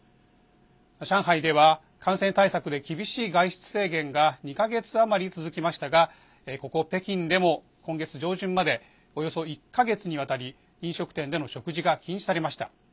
上海では、感染対策で厳しい外出制限が２か月余り続きましたがここ北京でも、今月上旬までおよそ１か月にわたり飲食店での食事が禁止されました。